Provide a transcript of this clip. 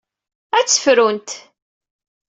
Ad tt-frunt.